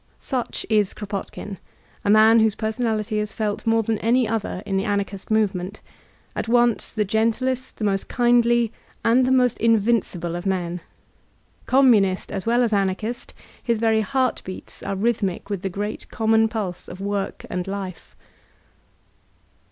Such is Kropotkin, a man whose personality is felt more than any other in the Anarchist movement — at once the gentlest, the most kindly, and the most invincible of men. Communist as well as Anarchist* his very heart beats are rhythmic with the great common pulse of work and life.